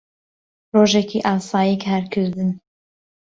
ڕۆژێکی ئاسایی کارکردن